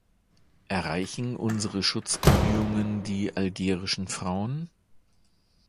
Erreichen unsere Schutzbemühungen die algerischen Frauen?